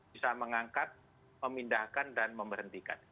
bisa mengangkat memindahkan dan memberhentikan